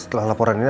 setelah laporan ini